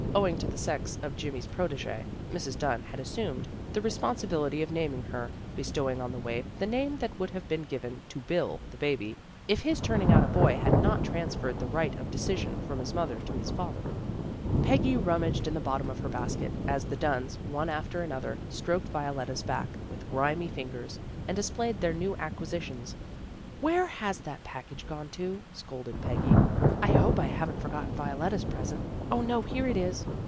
Owing to the sex of Jimmy's protege, Mrs. Dunn had assumed the responsibility of naming her, be stowing on the waif the name that would have been given to Bill, the baby, if his turning out a boy had not transferred the right of decision from his mother to his father. Peggy rummaged in the bottom of her basket, as the Dunns, one after another, stroked Violetta's back, with grimy fingers, and displayed their new acquisitions. " Where has that package gone to? " scolded Peggy. " I hope I haven't forgotten Violetta's present. 0, no, here it is."